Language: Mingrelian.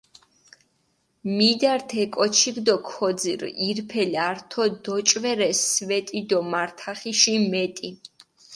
მიდართ ე კოჩქჷ დო ქოძირჷ, ირფელი ართო დოჭვერე სვეტი დო მართახიში მეტი